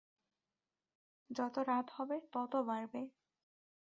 যত রাত হবে, তত বাড়বে।